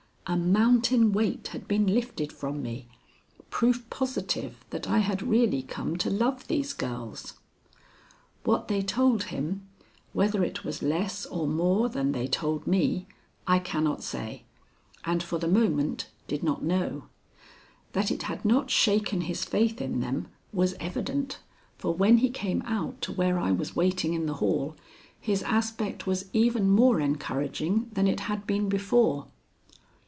A mountain weight had been lifted from me, proof positive that I had really come to love these girls. What they told him, whether it was less or more than they told me, I cannot say, and for the moment did not know. That it had not shaken his faith in them was evident, for when he came out to where I was waiting in the hall his aspect was even more encouraging than it had been before.